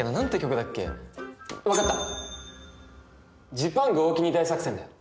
「ジパング・おおきに大作戦」だよ。